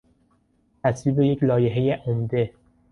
تصویب یک لایحهی عمده